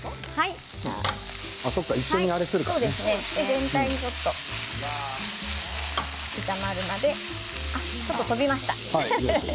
全体にちょっと炒まるまでちょっと飛びましたね。